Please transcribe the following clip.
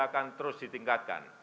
akan terus ditingkatkan